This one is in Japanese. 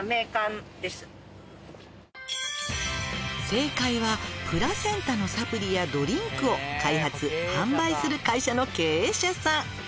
「正解はプラセンタのサプリやドリンクを開発・販売する会社の経営者さん」